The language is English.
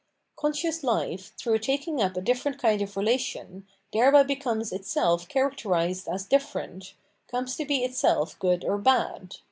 Conscious hfe, through taking up a difierent kind of relation, thereby becomes itself characterised as different, comes to be itself good or bad.